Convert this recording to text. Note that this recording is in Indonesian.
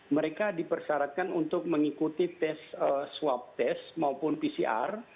mereka dipersyaratkan untuk mengikuti swab test maupun pcr